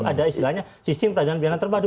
ada istilahnya sistem peradilan pidana terpadu